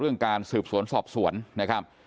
ก็จะอยู่บนที่นี่